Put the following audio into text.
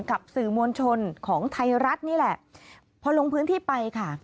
กับสื่อมวลชนของไทยรัฐนี่แหละพอลงพื้นที่ไปค่ะ